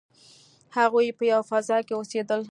هغوی په یوه فضا کې اوسیدل.